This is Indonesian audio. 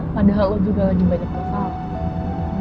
padahal lo juga lagi banyak masalah